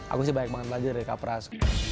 aku sih banyak banget belajar dari kak pras